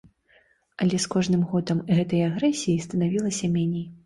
Але з кожным годам гэтай агрэсіі станавілася меней.